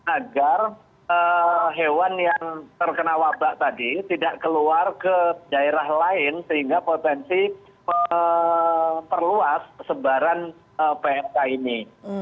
agar hewan yang terkena wabah tadi tidak keluar ke daerah lain sehingga potensi perluas sebaran pmk ini